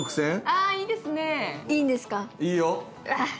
ああいいですねいいよ